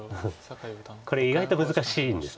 これ意外と難しいんです。